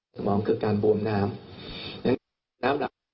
สมองคือการบวมน้ำล่ะ